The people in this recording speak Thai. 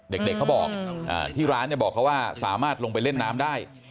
เด็กเขาบอกที่ร้านบอกเขาว่าสามารถลงไปเล่นน้ำได้